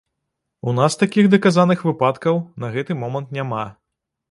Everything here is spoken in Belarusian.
У нас такіх даказаных выпадкаў на гэты момант няма.